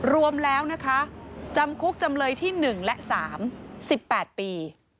รวมแล้วนะคะจำคุกจำเลยที่๑และ๓๑๘ปี